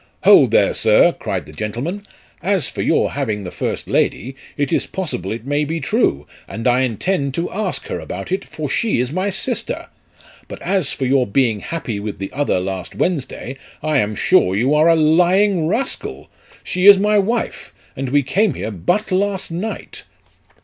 " Hold there, Sir," cried the gentleman ; "as for your having the first lady, it is possible it may be true, and I intend to ask her about it, for she is my sister ; but as to your being happy with the other last Wednesday, I am sure you are a lying rascal. She is my wife, and we came here but last night."